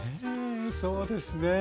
そうですね。